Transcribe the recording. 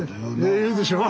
ねえ言うでしょう？